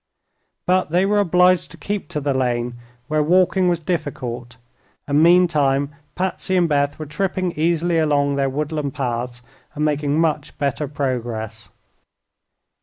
But they were obliged to keep to the lane, where walking was difficult, and meantime Patsy and Beth were tripping easily along their woodland paths and making much better progress.